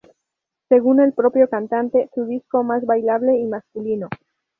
Según el propio cantante, su disco más bailable y masculino.